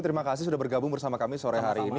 terima kasih sudah bergabung bersama kami sore hari ini